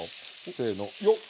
せのよっ！